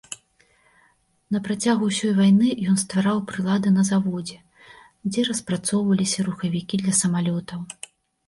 На працягу ўсёй вайны ён ствараў прылады на заводзе, дзе распрацоўваліся рухавікі для самалётаў.